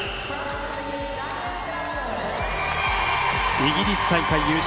イギリス大会優勝